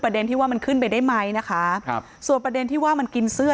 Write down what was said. ที่ว่ามันขึ้นไปได้ไหมนะคะครับส่วนประเด็นที่ว่ามันกินเสื้อ